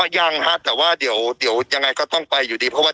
ยังฮะแต่ว่าเดี๋ยวยังไงก็ต้องไปอยู่ดีเพราะว่า